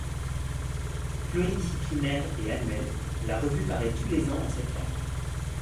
Pluridisciplinaire et annuelle, la revue paraît tous les ans en septembre.